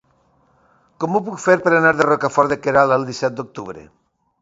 Com ho puc fer per anar a Rocafort de Queralt el disset d'octubre?